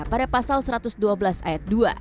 pada pasal satu ratus dua belas ayat dua